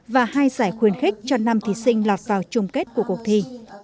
và hai giải khuyên khích cho năm thí sinh lọt vào chung kết của cuộc thi